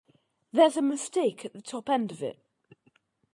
There's a mistake at the top end of it.